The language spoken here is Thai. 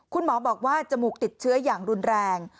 คุณหมอบอกว่าจมูกติดเชื้ออย่างรุนแรง